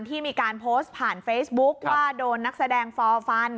ที่มีการโพสต์ผ่านเฟซบุ๊คว่าโดนนักแสดงฟอร์ฟัน